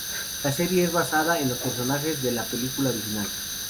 La serie es basada en los personajes de la película original.